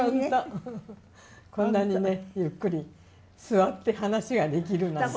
こんなにねゆっくり座って話ができるなんて。